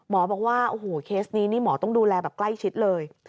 บอกว่าโอ้โหเคสนี้นี่หมอต้องดูแลแบบใกล้ชิดเลย